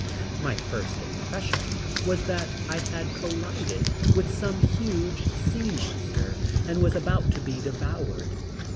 My first impression was that I had collided with some huge sea monster and was about to be devoured.